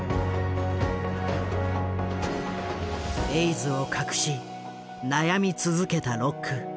エイズを隠し悩み続けたロック。